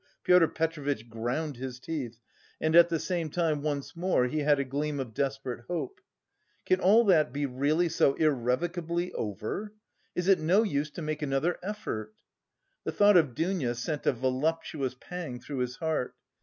Pyotr Petrovitch ground his teeth and at the same time once more he had a gleam of desperate hope. "Can all that be really so irrevocably over? Is it no use to make another effort?" The thought of Dounia sent a voluptuous pang through his heart.